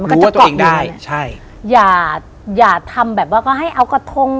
มันก็จะเกาะเงินรู้ว่าตัวเองได้ใช่อย่าอย่าทำแบบว่าก็ให้เอากระทง